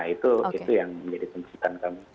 itu yang menjadi tuntutan kami